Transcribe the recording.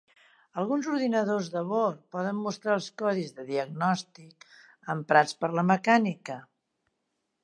Alguns ordinadors de bord poden mostrar els codis de diagnòstic emprats per la mecànica.